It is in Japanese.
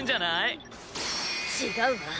違うわ。